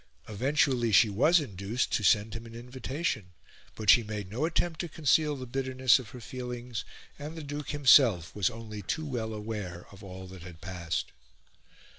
Eventually she was induced to send him an invitation; but she made no attempt to conceal the bitterness of her feelings, and the Duke himself was only too well aware of all that had passed.